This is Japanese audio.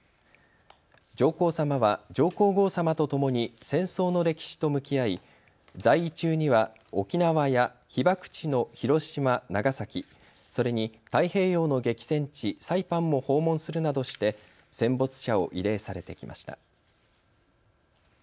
上皇さまは上皇后さまとともに戦争の歴史と向き合い在位中には沖縄や被爆地の広島、長崎、それに太平洋の激戦地、サイパンも訪問するなどして戦没者を慰霊されてきました。